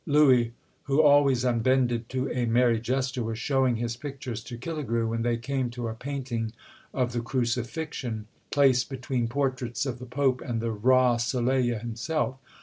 Louis, who always unbended to a merry jester, was showing his pictures to Killigrew, when they came to a painting of the Crucifixion, placed between portraits of the Pope and the "Roi Soleil" himself.